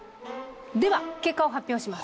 では結果を発表します。